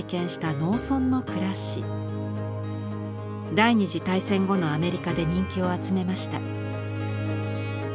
第二次大戦後のアメリカで人気を集めました。